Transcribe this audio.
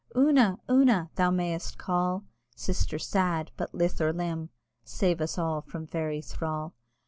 "Una! Una!" thou may'st call, Sister sad! but lith or limb (Save us all from Fairy thrall!)